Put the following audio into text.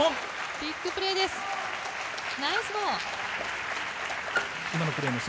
ビッグプレーです！